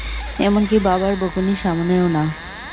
এমনকি বাবার বকুনির সামনেও না।